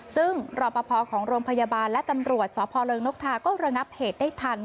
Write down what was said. ซึ่งรอปภของโรงพยาบาลและตำรวจสพเริงนกทาก็ระงับเหตุได้ทัน